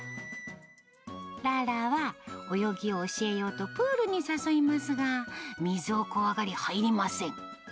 ララは泳ぎを教えようとプールに誘いますが、水を怖がり入りません。